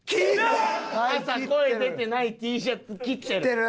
朝声出てないＴシャツ切ってる。